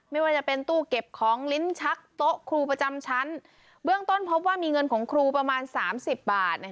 ไม่ว่าจะเป็นตู้เก็บของลิ้นชักโต๊ะครูประจำชั้นเบื้องต้นพบว่ามีเงินของครูประมาณ๓๐บาท